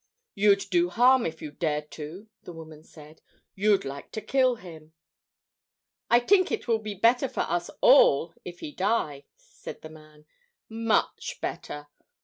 "You'd do harm if you dared to," the woman said. "You'd like to kill him." "I tink it will be better for us all if he die," said the man. "Much better!